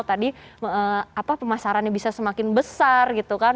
tadi pemasarannya bisa semakin besar gitu kan